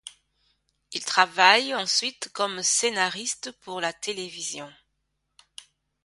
Il travaille ensuite comme scénariste pour la télévision.